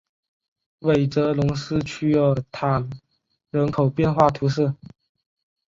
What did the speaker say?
韦泽龙斯屈尔坦人口变化图示